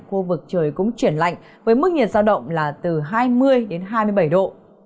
khu vực trời cũng chuyển lạnh với mức nhiệt giao động là từ hai mươi đến hai mươi bảy độ